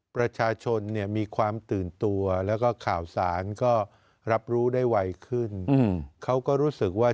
ประชาชนเนี่ยมีความตื่นตัวแล้วก็ข่าวสารก็รับรู้ได้ไวขึ้นเขาก็รู้สึกว่า